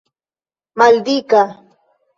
maldika